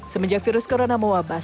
semenjak virus corona mewabah